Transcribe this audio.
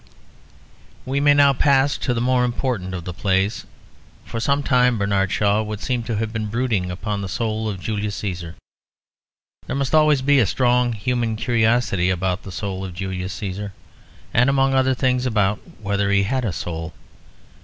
We may now pass to the more important of the plays. For some time Bernard Shaw would seem to have been brooding upon the soul of Julius Cæsar. There must always be a strong human curiosity about the soul of Julius Cæsar; and, among other things, about whether he had a soul.